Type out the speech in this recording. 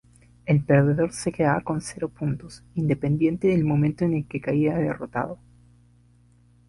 El perdedor se quedaba con cero puntos, independientemente del momento en que caía derrotado.